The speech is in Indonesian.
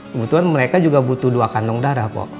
kebetulan mereka juga butuh dua kantong darah kok